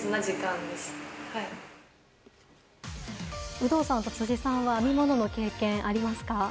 有働さんと辻さんは編み物の経験はありますか？